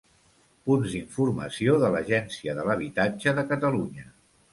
Punts d'informació de l'Agència de l'Habitatge de Catalunya.